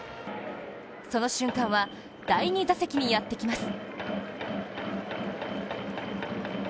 その瞬間は第２打席にやってきます。